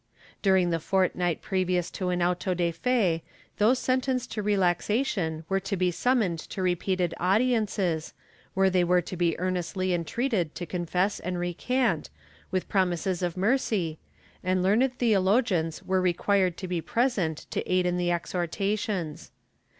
^ During the fortnight previous to an auto de fe those sentenced to relaxation were to be summoned to repeated audiences, when they were to be earnestly entreated to confess and recant, with promises of mercy, and learned theologians were required to be present to aid in the exhortations.